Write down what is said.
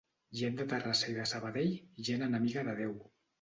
Gent de Terrassa i de Sabadell, gent enemiga de Déu.